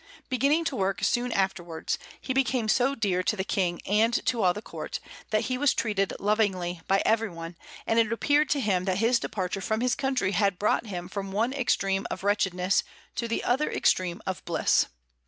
Beginning to work soon afterwards, he became so dear to the King and to all the Court, that he was treated lovingly by everyone, and it appeared to him that his departure from his country had brought him from one extreme of wretchedness to the other extreme of bliss.